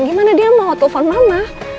gimana dia mau telepon mama